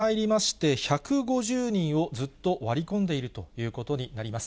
今週に入りまして、１５０人をずっと割り込んでいるということになります。